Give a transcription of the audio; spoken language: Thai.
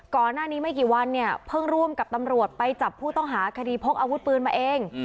ก่อนหน้านี้ไม่กี่วันเนี่ยเพิ่งร่วมกับตำรวจไปจับผู้ต้องหาคดีพกอาวุธปืนมาเอง